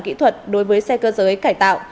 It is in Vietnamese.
kỹ thuật đối với xe cơ giới cải tạo